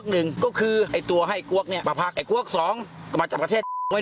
หมอปลาแซ่บกว่าเผ็ดกว่า